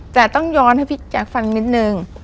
แต่ต้องย้อนให้พี่แจ๊คฟังนิดนึง